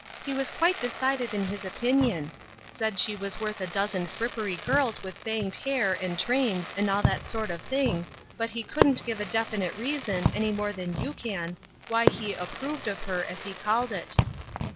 " He was quite decided in his opinion ; said she was worth a dozen frippery girls with banged hair, and trains, and all that sort of thing, but he couldn't give a definite reason, any more than you can^ why he * approved of her, as he called it."